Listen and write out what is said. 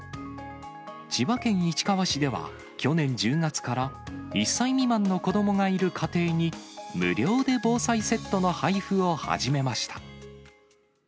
千葉県市川市では、去年１０月から、１歳未満の子どもがいる家庭に、無料で防災セットの配布を始めました。